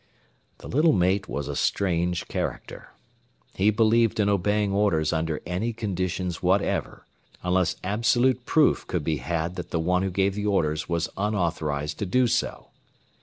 The little mate was a strange character. He believed in obeying orders under any conditions whatever, unless absolute proof could be had that the one who gave the orders was unauthorized to do so.